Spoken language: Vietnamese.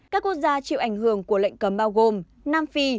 các quốc gia chịu ảnh hưởng của lệnh cấm bao gồm nam phi